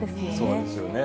そうなんですよね。